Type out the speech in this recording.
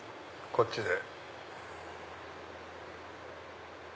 こっちで。